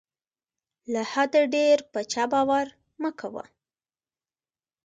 له حده ډېر په چا باور مه کوه.